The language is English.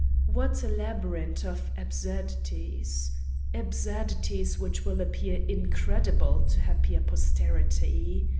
What a labyrinth of absurdities ! Absurdities which will appear in creditable to happier posterity.